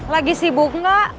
lagi sibuk enggak